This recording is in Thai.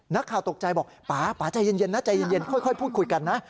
นักข่าวตกใจบอกป่าป่าใจเย็นนะใจเย็นค่อยพูดคุยกันนะ